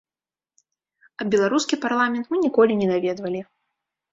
А беларускі парламент мы ніколі не наведвалі.